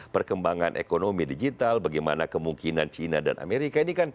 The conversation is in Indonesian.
perkembangan ekonomi digital bagaimana kemungkinan cina dan amerika